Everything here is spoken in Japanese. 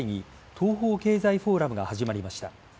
東方経済フォーラムが始まりました。